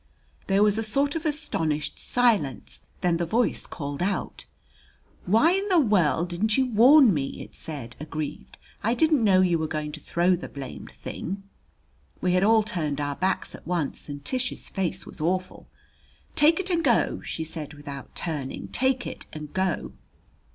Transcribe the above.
There was a sort of astonished silence. Then the voice called out: "Why in the world didn't you warn me?" it said, aggrieved. "I didn't know you were going to throw the blamed thing." We had all turned our backs at once and Tish's face was awful. "Take it and go," she said, without turning. "Take it and go."